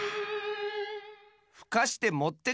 ふかしてもってくるって。